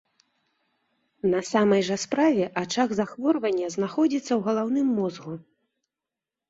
На самай жа справе ачаг захворвання знаходзіцца ў галаўным мозгу.